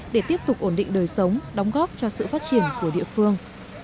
để tiếp tục ổn định đời sống đóng góp cho sự phát triển của địa phương